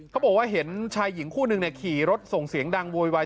เขาบอกว่าเห็นชายหญิงคู่หนึ่งขี่รถส่งเสียงดังโวยวาย